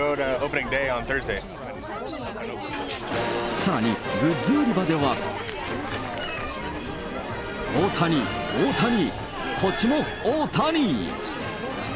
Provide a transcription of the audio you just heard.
さらにグッズ売り場では、大谷、大谷、こっちも大谷！